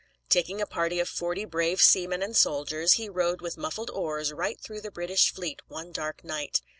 Taking a party of forty brave seamen and soldiers, he rowed with muffled oars right through the British fleet, one dark night.